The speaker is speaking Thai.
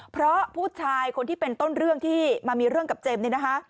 เพราะผู้ชายคนที่เป็นต้นเรื่องที่มามีเรื่องกับเจมส์เนี่ยนะคะ